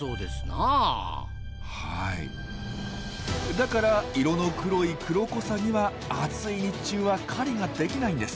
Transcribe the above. だから色の黒いクロコサギは暑い日中は狩りができないんです。